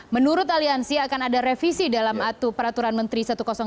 menurut aliansi akan ada revisi dalam atu peraturan menteri satu ratus delapan